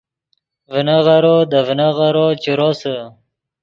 ڤینغیرو دے ڤینغیرو چے روسے